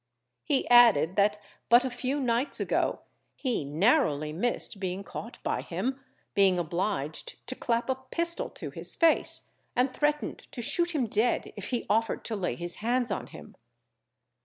He added that but a few nights ago, he narrowly missed being caught by him, being obliged to clap a pistol to his face, and threatened to shoot him dead if he offered to lay his hands on him.